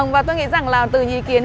và tôi nghĩ rằng là từ nhị kiến